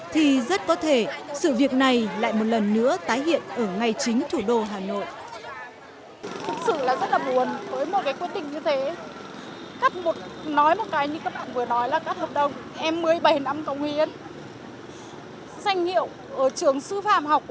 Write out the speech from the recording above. thì rất có thể sự việc này lại một lần nữa tái hiện ở nước